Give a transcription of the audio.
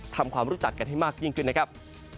ทำความรู้จักกันให้มากยิ่งขึ้นนะครับ